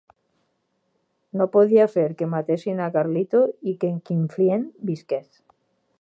No podia fer que matessin a Carlito i que Kleinfield visqués.